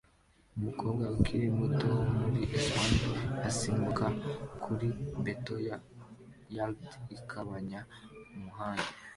Umukobwa ukiri muto wo muri Espagne asimbuka kuri beto ya yard igabanya umuhanda